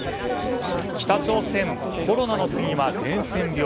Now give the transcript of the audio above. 北朝鮮コロナの次は伝染病。